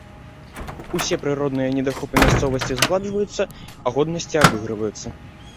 Усе прыродныя недахопы мясцовасці згладжваюцца, а годнасці абыгрываюцца.